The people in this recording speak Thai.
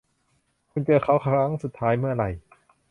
คุณเจอเค้าครั้งสุดท้ายเมื่อไหร่